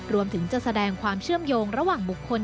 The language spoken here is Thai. รวมถึงจะแสดงความเชื่อมโยงระหว่างบุคคล